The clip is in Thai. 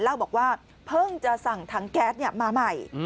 เล่าบอกว่าเพิ่งจะสั่งถังแก๊สมาใหม่